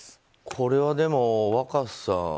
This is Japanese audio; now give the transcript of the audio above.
これはでも、若狭さん